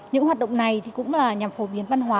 những hoạt động này cũng là nhằm phổ biến văn hóa